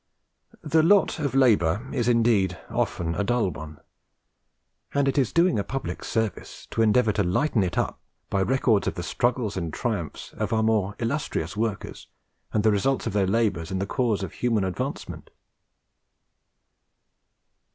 The lot of labour is indeed often a dull one; and it is doing a public service to endeavour to lighten it up by records of the struggles and triumphs of our more illustrious workers, and the results of their labours in the cause of human advancement."